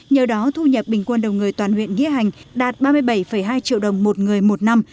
nhờ đó thu nhập bình quân đầu người toàn huyện nghĩa hành đạt ba mươi bảy hai triệu đồng một người một năm